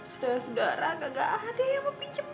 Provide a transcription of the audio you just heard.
sudara sudara gak ada yang mau pinjam